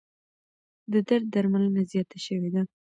د درد درملنه زیاته شوې ده.